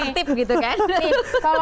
sampai tip gitu kan